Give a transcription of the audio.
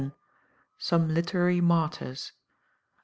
SOME LITERARY MARTYRS.